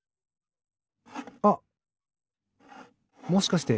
あっもしかして。